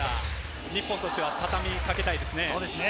日本としてはたたみかけたいです。